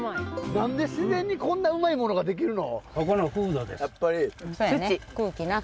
何で自然にこんなうまいものができるの？